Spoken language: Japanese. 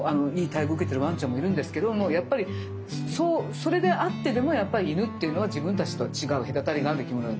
待遇受けてるわんちゃんもいるんですけどやっぱりそれであってでも犬っていうのは自分たちとは違う隔たりがある生き物。